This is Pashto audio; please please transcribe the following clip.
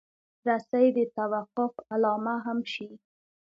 رسۍ د توقف علامه هم شي.